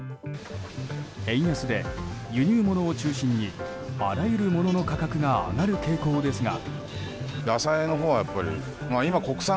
円安で、輸入物を中心にあらゆるものの価格が上がる傾向ですが。